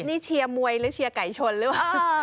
นี่เชียร์มวยหรือเชียร์ไก่ชนหรือเปล่า